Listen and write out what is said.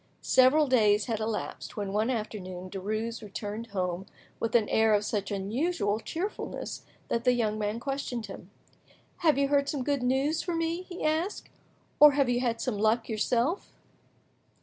Several days had elapsed, when one afternoon Derues returned home with an air of such unusual cheerfulness that the young man questioned him. "Have you heard some good news for me?" he asked, "or have you had some luck yourself?"